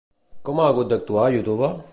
Com ha hagut d'actuar YouTube?